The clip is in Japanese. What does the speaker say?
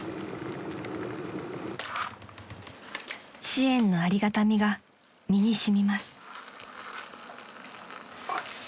［支援のありがたみが身に染みます］